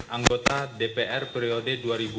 anggota dpr periode dua ribu empat belas dua ribu sembilan belas